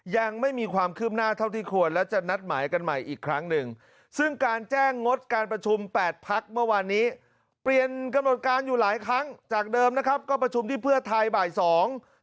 ยังไม่มีความคืบหน้าเท่าที่ควรแล้วจะนัดหมายกันใหม่อีกครั้งหนึ่ง